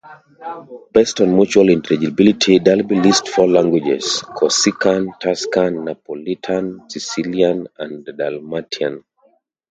Based on mutual intelligibility, Dalby lists four languages: Corsican, Tuscan, Napolitan-Sicilian, and Dalmatian.